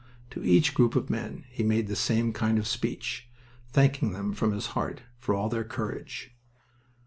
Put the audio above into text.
To each group of men he made the same kind of speech, thanking them from his heart for all their courage.